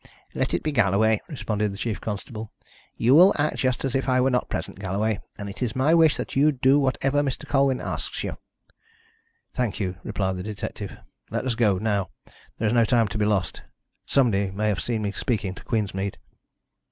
"Let it be Galloway," responded the chief constable. "You will act just as if I were not present, Galloway, and it is my wish that you do whatever Mr. Colwyn asks you." "Thank you," replied the detective. "Let us go, now. There is no time to be lost. Somebody may have seen me speaking to Queensmead."